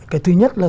cái thứ nhất là